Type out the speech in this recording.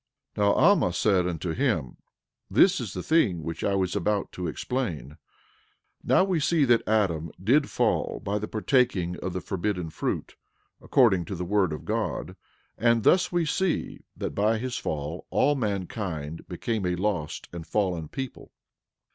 12:22 Now Alma said unto him: This is the thing which I was about to explain, now we see that Adam did fall by the partaking of the forbidden fruit, according to the word of God; and thus we see, that by his fall, all mankind became a lost and fallen people.